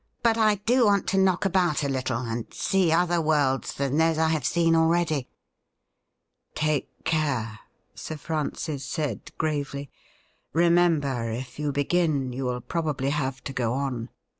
' But I do want to knock about a little, and see other worlds than those I have seen already.' ' Take care,' Sir Francis said gravely. ' Remember, if you begin, you will probably have to go on.